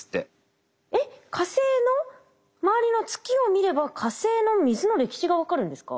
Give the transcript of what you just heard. えっ火星の周りの月を見れば火星の水の歴史が分かるんですか？